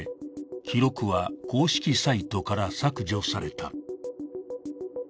記録は公式サイトから削除された。